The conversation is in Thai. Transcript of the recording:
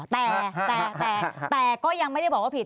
แต่แต่แต่ก็ยังไม่ได้บอกว่าผิด